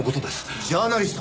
ジャーナリスト？